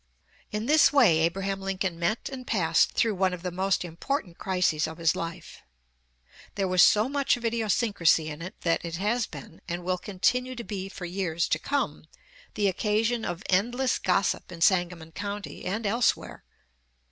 In this way Abraham Lincoln met and passed through one of the most important crises of his life. There was so much of idiosyncrasy in it that it has been, and will continue to be for years to come, the occasion of endless gossip in Sangamon County and elsewhere.